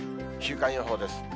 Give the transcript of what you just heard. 週間予報です。